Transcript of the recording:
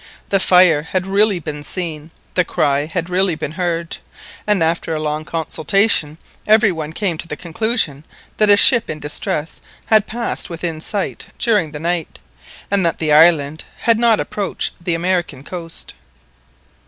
The fire had really been seen, the cry had really been heard; and after a long consultation every one came to the conclusion that a ship in distress had passed within sight during the night, and that the island had not approached the American coast.